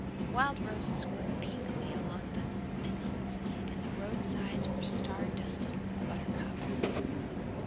Wild roses grew pinkly along the fences, and the roadsides were star dusted with buttercups.